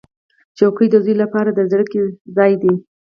چوکۍ د زوی لپاره د زده کړې ځای دی.